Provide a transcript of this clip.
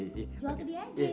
jual ke dia aja